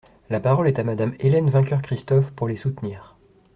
La parole est à Madame Hélène Vainqueur-Christophe, pour les soutenir.